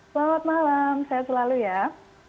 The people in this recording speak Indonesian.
selamat malam sehat selalu ya